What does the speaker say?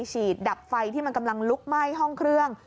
ฉีดดับไฟที่มันกำลังลุกไหม้ห้องเครื่อง